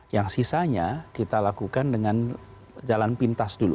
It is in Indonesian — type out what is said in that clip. yang sisanya kita lakukan dengan jalan pintas dulu